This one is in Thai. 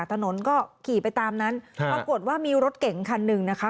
ถนนก็ขี่ไปตามนั้นปรากฏว่ามีรถเก่งคันหนึ่งนะคะ